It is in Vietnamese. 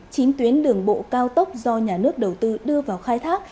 chín tuyến đường bộ cao tốc do nhà nước đầu tư đưa vào khai thác